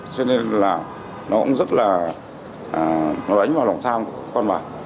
cho nên là nó cũng rất là đánh vào lòng tham của con bạc